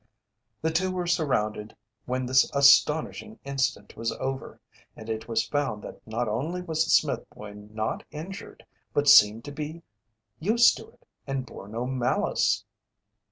The two were surrounded when this astonishing incident was over and it was found that not only was the Smith boy not injured but seemed to be used to it and bore no malice.